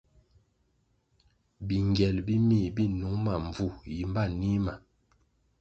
Bingyel bi mih bi nung ma mbvu, yimba nih ma.